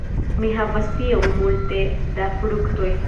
Mi havas tiom multe da fruktoj.